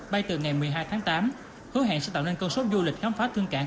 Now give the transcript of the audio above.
bay từ ngày một mươi hai tháng tám hứa hẹn sẽ tạo nên câu số du lịch khám phá thương cảng